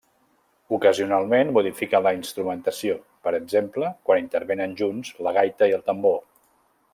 Ocasionalment modifiquen la instrumentació, per exemple quan intervenen junts la gaita i el tambor.